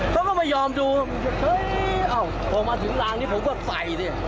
เขาก็ไม่ยอมดูเฮ้ยอ้าวพอมาถึงรางนี้ผมก็ใส่ดิ